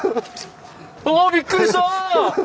うわ！びっくりした！